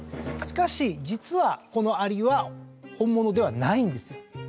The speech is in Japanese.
しかし実はこのアリは本物ではないんですよ。